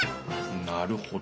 なるほど。